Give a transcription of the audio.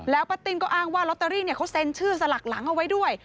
ป้าติ้นก็อ้างว่าลอตเตอรี่เขาเซ็นชื่อสลักหลังเอาไว้ด้วย